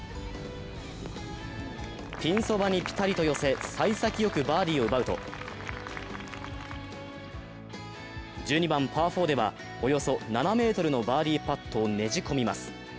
ピンそばにピタリと寄せ、さい先よくバーディーを奪うと１２番パー４ではおよそ７ｍのバーディーパットをねじ込みます。